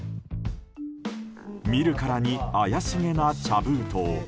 見るからに怪しげな茶封筒。